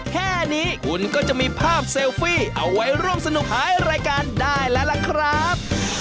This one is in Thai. แค่นี้คุณก็จะมีภาพเซลฟี่เอาไว้ร่วมสนุกหายรายการได้แล้วล่ะครับ